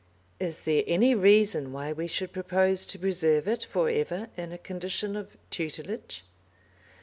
Is that any reason why we should propose to preserve it for ever in a condition of tutelage?